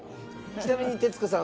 ちなみに徹子さん